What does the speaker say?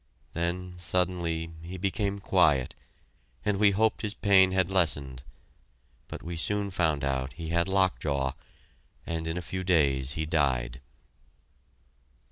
Then suddenly he became quiet, and we hoped his pain had lessened; but we soon found out he had lock jaw, and in a few days he died.